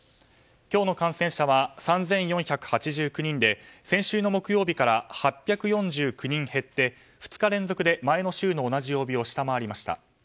今日の感染者は３４８９人で先週の木曜日から８４９人減って２日連続で前の週の同じ曜日を下回りました。